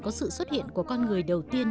có sự xuất hiện của con người đầu tiên